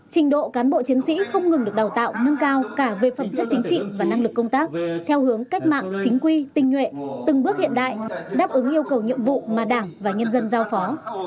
trình độ cán bộ chiến sĩ không ngừng được đào tạo nâng cao cả về phẩm chất chính trị và năng lực công tác theo hướng cách mạng chính quy tinh nhuệ từng bước hiện đại đáp ứng yêu cầu nhiệm vụ mà đảng và nhân dân giao phó